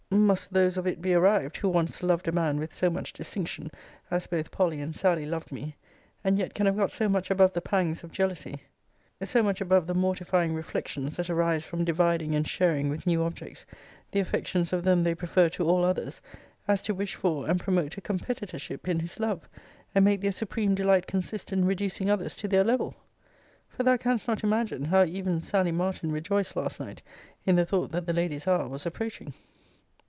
must those of it be arrived, who once loved a man with so much distinction, as both Polly and Sally loved me; and yet can have got so much above the pangs of jealousy, so much above the mortifying reflections that arise from dividing and sharing with new objects the affections of them they prefer to all others, as to wish for, and promote a competitorship in his love, and make their supreme delight consist in reducing others to their level! For thou canst not imagine, how even Sally Martin rejoiced last night in the thought that the lady's hour was approaching.